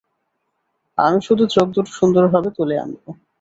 আমি শুধু চোখ দুটো সুন্দরভাবে তুলে আনবো।